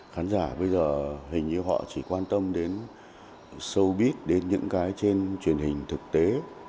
khán giả bây giờ hình như họ chỉ quan tâm đến sâu bít đến những cái trên truyền hình thực tế